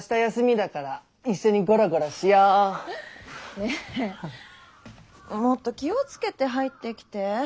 ねえもっと気をつけて入ってきて。